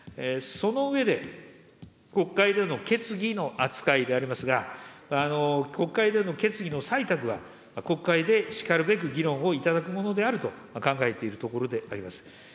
その上で、国会での決議の扱いでありますが、国会での決議の採択は国会でしかるべく議論をいただくものであると考えているところであります。